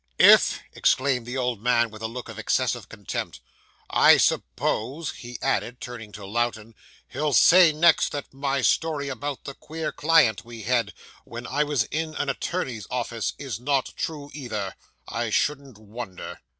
'If!' exclaimed the old man, with a look of excessive contempt. 'I suppose,' he added, turning to Lowten, 'he'll say next, that my story about the queer client we had, when I was in an attorney's office, is not true either I shouldn't wonder.